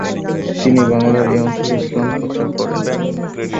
তিনি বাংলার এ অঞ্চলে ইসলাম প্রচার করেন।